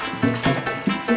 nah ini senang dua ya